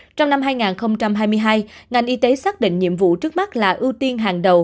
trong năm hai nghìn hai mươi hai ngành y tế xác định nhiệm vụ trước mắt là ưu tiên